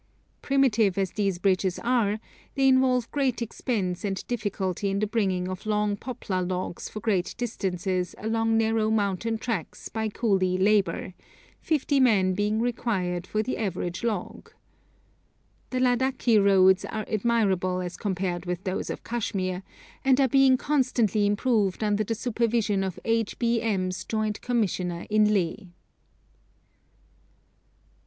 Primitive as these bridges are, they involve great expense and difficulty in the bringing of long poplar logs for great distances along narrow mountain tracks by coolie labour, fifty men being required for the average log. The Ladakhi roads are admirable as compared with those of Kashmir, and are being constantly improved under the supervision of H. B. M.'s Joint Commissioner in Leh.